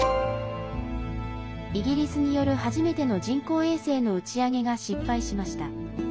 イギリスによる初めての人工衛星の打ち上げが失敗しました。